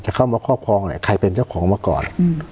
จะเข้ามาครอบครองไหนใครเป็นเจ้าของเข้ามาก่อน